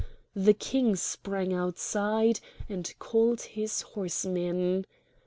The king sprang outside and called his horsemen.